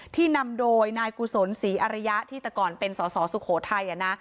นำโดยนายกุศลศรีอริยะที่แต่ก่อนเป็นสอสอสุโขทัย